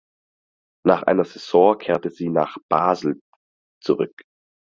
Nach einer Saison kehrte sie nach Basel zurück.